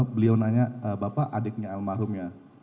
beliau nanya bapak adiknya almarhum ya